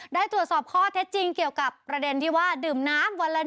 ได้ตรวจสอบข้อเท็จจริงเกี่ยวกับประเด็นที่ว่า